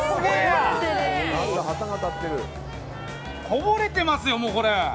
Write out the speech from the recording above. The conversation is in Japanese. こぼれてますよ、もう。